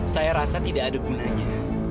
saya rasa tidak ada gunanya